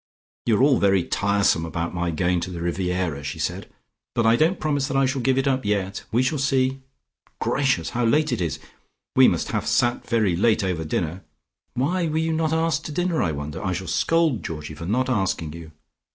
"You are all very tiresome about my going to the Riviera," she said. "But I don't promise that I shall give it up yet. We shall see! Gracious! How late it is. We must have sat very late over dinner. Why were you not asked to dinner, I wonder! I shall scold Georgie for not asking you.